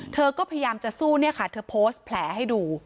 เธอก็พยายามจะสู้เนี่ยค่ะเธอโพสต์แผลให้ดู